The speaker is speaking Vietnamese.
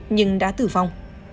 nhưng đã tử vong